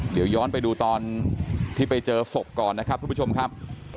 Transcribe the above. เดี๋ยวย้อนไปดูตอนที่ไปเจอศพก่อนนะครับทุกผู้ชมครับ